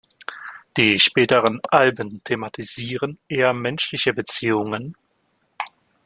Die späteren Alben thematisieren eher menschliche Beziehungen.